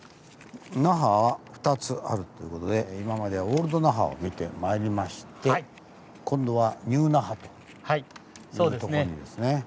「那覇は２つある⁉」という事で今まではオールド那覇を見てまいりまして今度はニュー那覇というとこにですね。